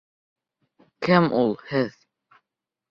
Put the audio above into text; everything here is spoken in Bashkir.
Кем ул «һеҙ»?